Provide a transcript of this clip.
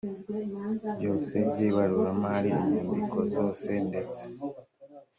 byose by ibaruramari inyandiko zose ndetse